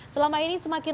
selama ini semakin